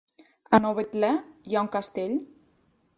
A Novetlè hi ha un castell?